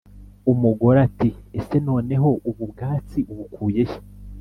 Umugore ati « ese noneho ubu bwatsi ubukuye he ?